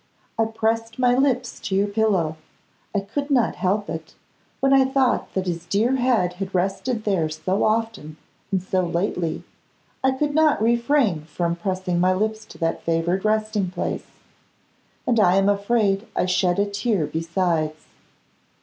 I pressed my lips to your pillow. I could not help it; when I thought that his dear head had rested there so often and so lately, I could not refrain from pressing my lips to that favoured resting place, and I am afraid I shed a tear besides.